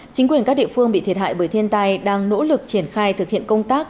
chính quyền các địa phương bị thiệt hại bởi thiên tai đang nỗ lực triển khai thực hiện công tác